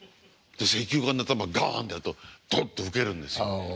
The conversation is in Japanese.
石油缶で頭ガンってやるとドッとウケるんですよ。